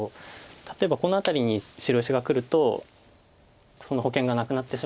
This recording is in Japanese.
例えばこの辺りに白石がくるとその保険がなくなってしまう可能性があって。